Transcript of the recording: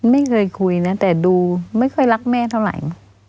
ไม่เคยคุยนะแต่ดูไม่ค่อยรักแม่เท่าไหร่